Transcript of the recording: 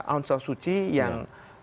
aung san suu kyi yang